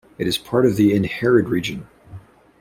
It is part of the Innherred region.